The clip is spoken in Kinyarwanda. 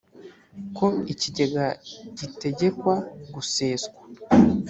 ko ikigega gitegekwa guseswa